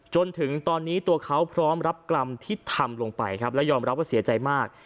จนถึงตอนนี้ตัวเขาพร้อมรับกรรมที่ทำลงไปครับและยอมรับว่าเสียใจมาก